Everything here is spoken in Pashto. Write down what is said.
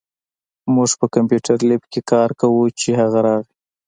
مونږ په کمپیوټر لېب کې کار کوو، چې هغه راغی